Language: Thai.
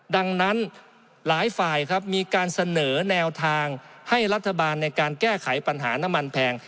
ดังนั้นหลายฝ่ายครับมีการเสนอแนวทางให้รัฐบาลในการแก้ไขปัญหาน้ำมันแพง